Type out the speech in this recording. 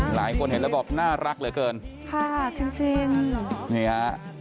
หลายคนเห็นแล้วบอกน่ารักเหลือเกินค่ะจริงจริงเหรอนี่ฮะ